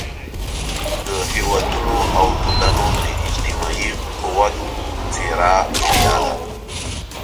د هېوادونو او ټولنو د اجتماعي قوت څېره میډیا ده.